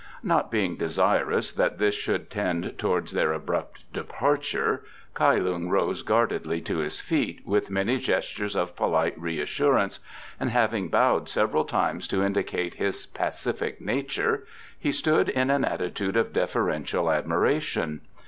Not being desirous that this should tend towards their abrupt departure, Kai Lung rose guardedly to his feet, with many gestures of polite reassurance, and having bowed several times to indicate his pacific nature, he stood in an attitude of deferential admiration.